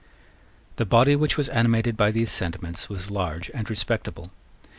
The body which was animated by these sentiments was large and respectable.